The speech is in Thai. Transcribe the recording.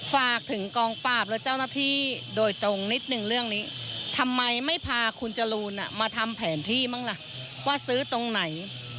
ฝากถึงกองปราบและเจ้าหน้าที่โดยตรงนิดนึงเรื่องนี้ทำไมไม่พาคุณจรูนมาทำแผนที่บ้างล่ะว่าซื้อตรงไหน